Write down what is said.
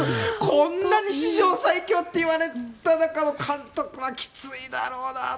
こんなに史上最強って言われている中の監督ってきついだろうなと。